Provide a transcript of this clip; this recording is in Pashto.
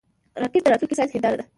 راکټ د راتلونکي ساینس هنداره ده